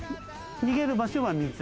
逃げる場所は水。